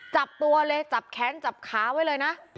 จับตัวเลยจับแค้นจับขาไว้เลยนะ